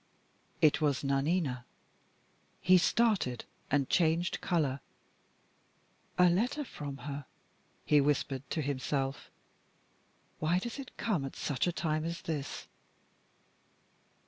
It was "NANINA." He started, and changed color. "A letter from her," he whispered to himself. "Why does it come at such a time as this?"